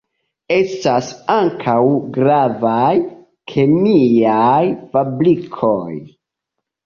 Estas ankaŭ gravaj kemiaj fabrikoj.